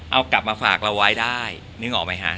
เอากลับมาฝากเราไว้ได้นึกออกไหมฮะ